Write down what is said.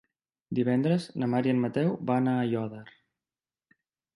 Divendres na Mar i en Mateu van a Aiòder.